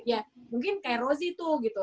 ya mungkin kayak rozi tuh gitu